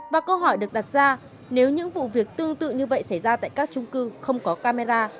và câu hỏi được đặt ra nếu những vụ việc tương tự như vậy xảy ra tại các trung cư không có camera